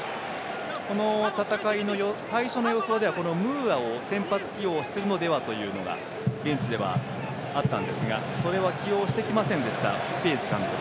この戦いの最初の予想ではムーアを先発起用するのではというのが現地ではあったんですがそれは起用してきませんでしたページ監督。